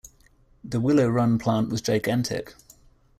The Willow Run plant was gigantic.